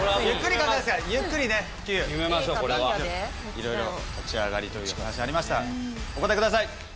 はい。